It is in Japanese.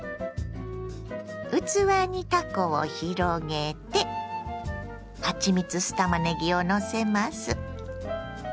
器にたこを広げてはちみつ酢たまねぎをのせます。